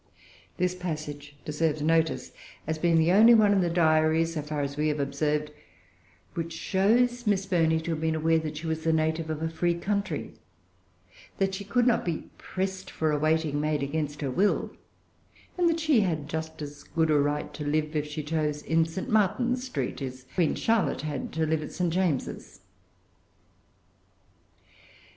This passage deserves notice, as being the only one in the Diary, so far as we have observed, which shows Miss Burney to have been aware that she was the native of a free country, that she could not be pressed for a waiting maid against her will, and that she had just as good a right to live, if she chose, in St. Martin's Street, as Queen Charlotte had to live at St. James's.